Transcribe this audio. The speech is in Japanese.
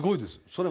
それ